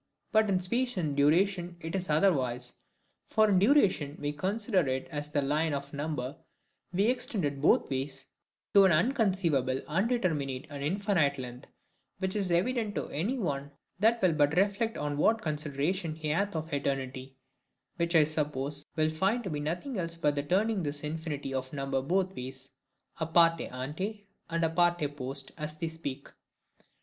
But in space and duration it is otherwise. For in duration we consider it as if this line of number were extended BOTH ways—to an unconceivable, undeterminate, and infinite length; which is evident to anyone that will but reflect on what consideration he hath of Eternity; which, I suppose, will find to be nothing else but the turning this infinity of number both ways, a parte ante and a parte post, as they speak.